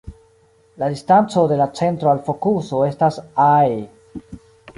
La distanco de la centro al fokuso estas "ae".